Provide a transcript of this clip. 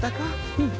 うん。